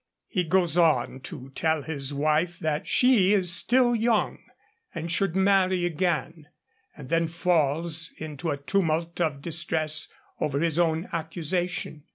He goes on to tell his wife that she is still young, and should marry again; and then falls into a tumult of distress over his own accusation.